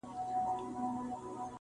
خلک عادي ژوند ته ستنېږي ورو,